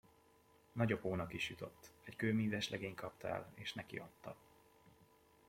Nagyapónak is jutott: egy kőmíveslegény kapta el, és neki adta.